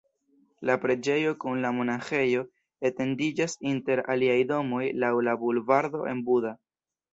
La preĝejo kun la monaĥejo etendiĝas inter aliaj domoj laŭ la bulvardo en Buda.